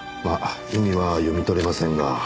まあ意味は読み取れませんが。